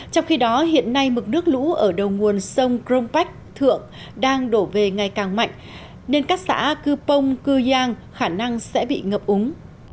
trong khi đó hiện nay mực nước lũ ở đầu nguồn sông crong bách thượng đang đổ về ngày càng mạnh nên các xã cư pông cư giang khả năng sẽ bị ngập úng